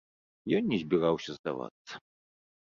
Ён не збіраўся здавацца.